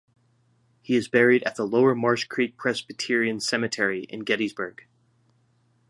He is buried at the Lower Marsh Creek Presbyterian Cemetery in Gettysburg.